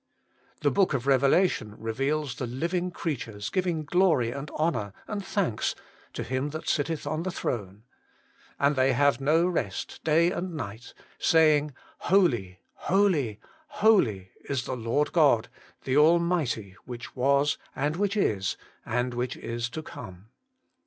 The book of Revela tion reveals the living creatures giving glory and honour and thanks to Him that sitteth on the throne ;' and they have no rest day and night, saying, Holy, holy, holy is the Lord God, the Almighty, which was, and which is, and which is to come.'